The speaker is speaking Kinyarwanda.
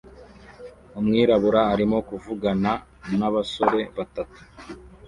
umwirabura arimo kuvugana nabasore batatu